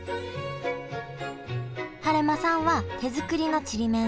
晴間さんは手作りのちりめん